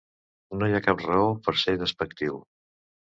No hi ha cap raó per ser despectiu.